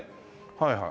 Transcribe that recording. はいはい。